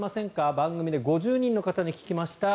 番組で５０人の方に聞きました。